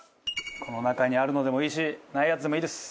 この中にあるのでもいいしないやつでもいいです。